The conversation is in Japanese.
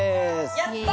やった！